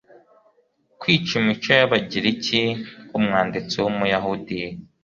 kwiga imico y Abagiriki Umwanditsi w Umuyahudi